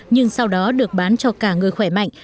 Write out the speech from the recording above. nhưng sau đó được bán cho cả người khỏe mạnh